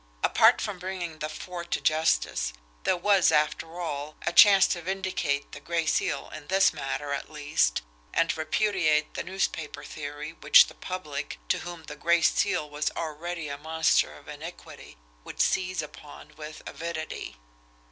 Apart from bringing the four to justice, there was, after all, a chance to vindicate the Gray Seal in this matter at least, and repudiate the newspaper theory which the public, to whom the Gray Seal was already a monster of iniquity, would seize upon with avidity.